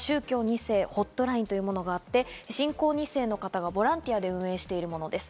そして宗教２世ホットラインというものがあって、信仰二世の方がボランティアで運営しているものです。